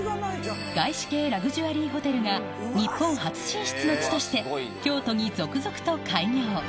外資系ラグジュアリーホテルが日本初進出の地として京都に続々と開業